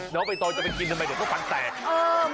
เดี๋ยวไปต่อจะไปกินทำไมเดี๋ยวต้องฝันแตก